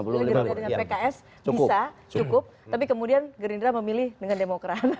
pks bisa cukup tapi kemudian gerindra memilih dengan demokrat